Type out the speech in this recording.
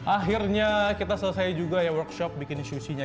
akhirnya kita selesai juga ya workshop bikin sushi nya